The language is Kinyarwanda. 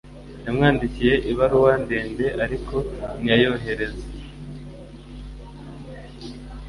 Yamwandikiye ibaruwa ndende ariko ntiyayohereza